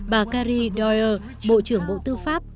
bà carrie doyle bộ trưởng bộ tư pháp